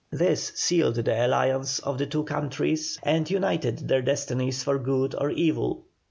This sealed the alliance of the two countries and united their destinies for good or evil.